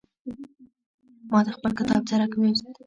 ما د خپل کتاب څرک ويوست.